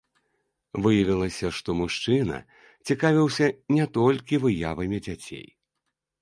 Выявілася, што мужчына цікавіўся не толькі выявамі дзяцей.